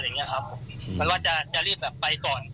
หมายความว่าจะจะรีบไปก่อน